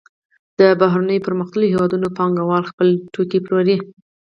د بهرنیو پرمختللو هېوادونو پانګوال خپل توکي پلوري